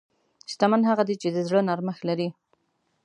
شتمن هغه دی چې د زړه نرمښت لري.